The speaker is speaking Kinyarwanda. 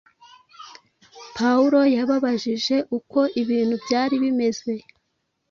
Pawulo yababajije uko ibintu byari bimeze